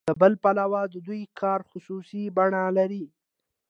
له بل پلوه د دوی کار خصوصي بڼه لري